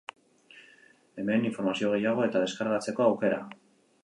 Hemen informazio gehiago eta deskargatzeko aukera.